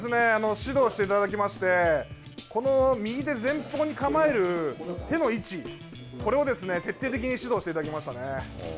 指導していただきましてこの右手前方に構える手の位置、徹底的に指導していただきましたね。